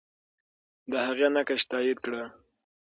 د هغې نقش تایید کړه.